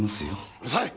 うるさい！